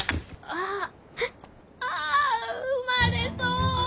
ああ産まれそう。